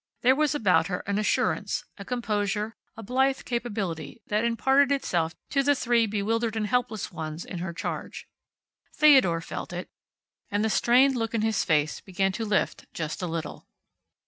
There was about her an assurance, a composure, a blithe capability that imparted itself to the three bewildered and helpless ones in her charge. Theodore felt it, and the strained look in his face began to lift just a little.